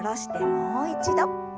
もう一度。